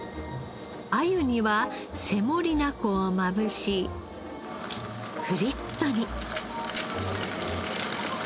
アユにはセモリナ粉をまぶしフリットに。